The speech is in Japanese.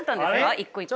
一個一個が。